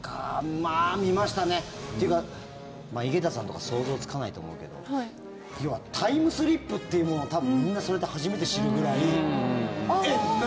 まあ見ましたね。というか、井桁さんとか想像つかないと思うけど要はタイムスリップというものをみんなそれで初めて知るぐらいえっ、何？